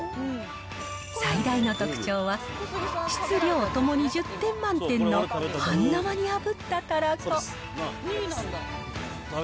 最大の特徴は、質量ともに１０点満点の半生にあぶったたらこ。